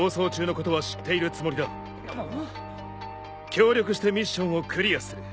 協力してミッションをクリアする。